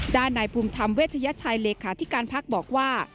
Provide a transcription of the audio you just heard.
ด้านนายภูมิธรรมเวชยชัยเหลคคาธิการภาคบอกว่า